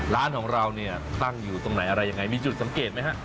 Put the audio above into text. ร้านของเราเนี่ยตั้งอยู่ตรงไหนอะไรยังไงมีจุดสังเกตไหมฮะ